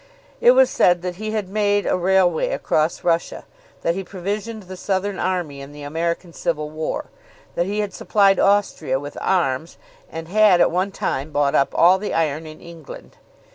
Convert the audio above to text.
It was said that he had made a railway across Russia, that he provisioned the Southern army in the American civil war, that he had supplied Austria with arms, and had at one time bought up all the iron in England.